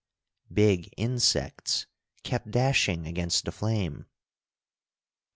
Big insects kept dashing against the flame.